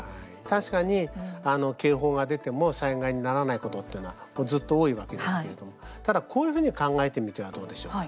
確かに警報が出ても災害にならないことというのはずっと多いわけですけれどもただこういうふうに考えてみてはどうでしょう。